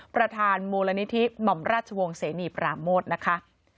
ประธานมูลนิธิหม่อมราชวงศ์เสนีปราโมทนะคะ